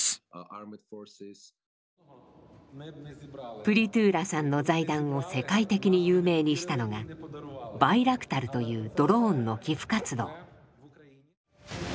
プリトゥーラさんの財団を世界的に有名にしたのがバイラクタルというドローンの寄付活動。